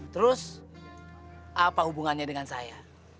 terus apa hubungannya dengan saya